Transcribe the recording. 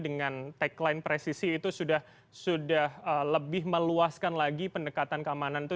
dengan tagline presisi itu sudah lebih meluaskan lagi pendekatan keamanan itu